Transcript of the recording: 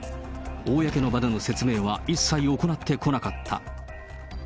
公の場での説明は一切行ってこなかった。